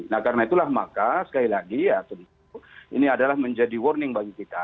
nah karena itulah maka sekali lagi ya tentu ini adalah menjadi warning bagi kita